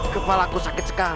kepalaku sakit sekali